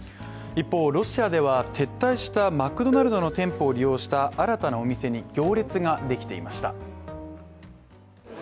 一方、ロシアでは、撤退したマクドナルドの店舗を利用した新たなお店に行列ができていました。